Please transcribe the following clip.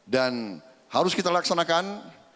dan harus kita laksanakan